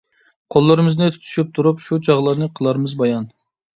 قوللىرىمىزنى تۇتۇشۇپ تۇرۇپ، شۇ چاغلارنى قىلارمىز بايان.